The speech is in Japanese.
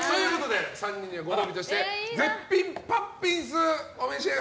３人にはご褒美として絶品パッピンスうれしいです。